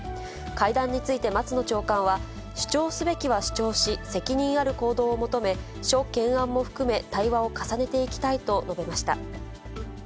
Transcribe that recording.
会談について松野長官は、主張すべきは主張し、責任ある行動を求め、諸懸案も含め対話を重ねていきたいと述べました。